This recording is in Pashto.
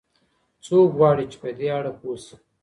څوک غواړي چي په دې اړه پوه سي؟